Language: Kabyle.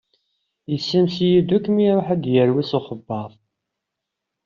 Yessames-iyi-d akk mi iṛuḥ ad yerwi s uxebbaḍ.